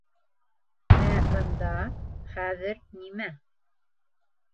Ә бында, хәҙер, нимә?